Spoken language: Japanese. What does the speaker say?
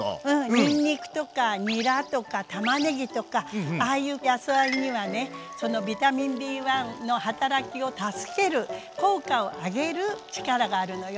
にんにくとかにらとかたまねぎとかああいう野菜にはねそのビタミンＢの働きを助ける効果を上げる力があるのよ。